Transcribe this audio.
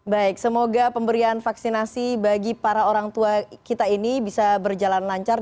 baik semoga pemberian vaksinasi bagi para orang tua kita ini bisa berjalan lancar